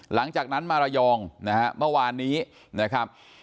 หลังจากนั้นมาระยองนะฮะเมื่อวานนี้นะครับ